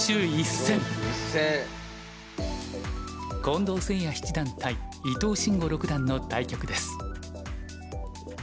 近藤誠也七段対伊藤真吾六段の対局です。